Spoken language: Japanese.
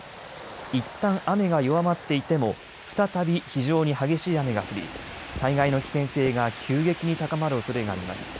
いったん雨が弱まっていても再び非常に激しい雨が降り災害の危険性が急激に高まるおそれがあります。